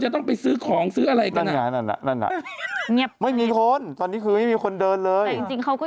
จะต้องไปซื้อของซื้ออะไรกันน่ะ